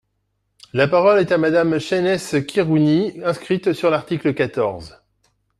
La parole est à Madame Chaynesse Khirouni, inscrite sur l’article quatorze.